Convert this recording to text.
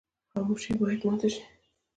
خاموشي باید ماته شي.